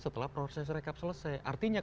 setelah proses rekap selesai artinya